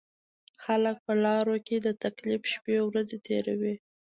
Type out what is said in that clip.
خلک په لارو کې د تکلیف شپېورځې تېروي.